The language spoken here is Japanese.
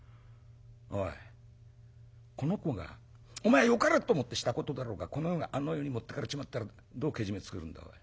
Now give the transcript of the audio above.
おいこの子がお前はよかれと思ってしたことだろうがこの子があの世に持ってかれちまったらどうけじめつけるんだおい。